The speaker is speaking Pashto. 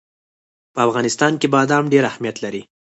په افغانستان کې بادام ډېر اهمیت لري.